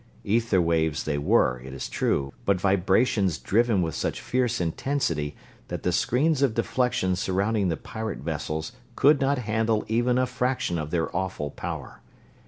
Ether waves they were, it is true, but vibrations driven with such fierce intensity that the screens of deflection surrounding the pirate vessels could not handle even a fraction of their awful power.